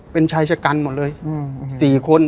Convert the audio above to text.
เป็นชายชะกันหมดเลย๔คน